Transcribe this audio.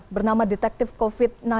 bernama detektif covid sembilan belas